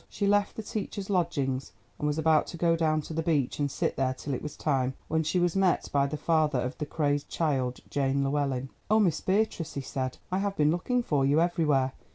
She left the teacher's lodgings, and was about to go down to the beach and sit there till it was time, when she was met by the father of the crazed child, Jane Llewellyn. "Oh, Miss Beatrice," he said, "I have been looking for you everywhere.